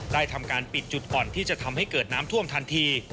ทำการปิดจุดอ่อนที่จะทำให้เกิดน้ำท่วมทันที